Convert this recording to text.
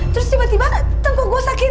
terus tiba tiba tengku gue sakit